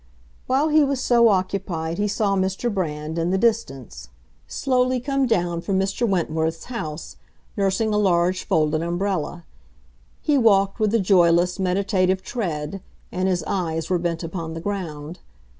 While he was so occupied he saw Mr. Brand, in the distance, slowly come down from Mr. Wentworth's house, nursing a large folded umbrella. He walked with a joyless, meditative tread, and his eyes were bent upon the ground.